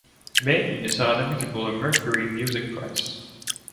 Mais, il ne sera que nommé pour le Mercury Music Prize.